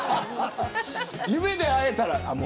夢で逢えたら。